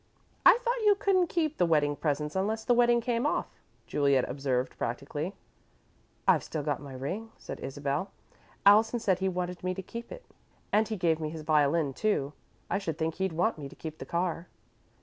"I thought you couldn't keep the wedding presents unless the wedding came off," Juliet observed, practically. "I've still got my ring," said Isabel. "Allison said he wanted me to keep it, and he gave me his violin, too. I should think they'd want me to keep the car."